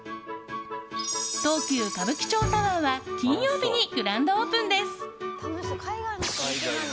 東急歌舞伎町タワーは金曜日にグランドオープンです。